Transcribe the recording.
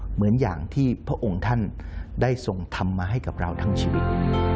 เหมือนอย่างที่พระองค์ท่านได้ทรงทำมาให้กับเราทั้งชีวิต